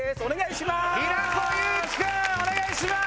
お願いしまーす！